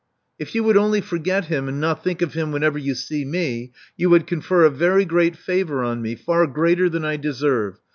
If you would only forget him, and not think of him whenever you see me, you would confer a very great favor on me — far greater than I deserve.